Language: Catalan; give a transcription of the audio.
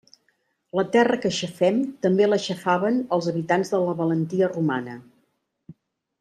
La terra que xafem també la xafaven els habitants de la Valentia romana.